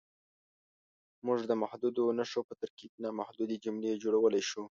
موږ د محدودو نښو په ترکیب نامحدودې جملې جوړولی شو.